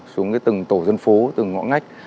xuống từng tổ dân phố từng ngõ ngách